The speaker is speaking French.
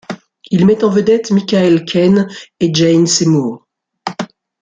Il met en vedette Michael Caine et Jane Seymour.